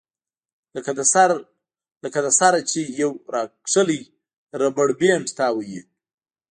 لکه د سر نه چې يو راښکلی ربر بېنډ تاو وي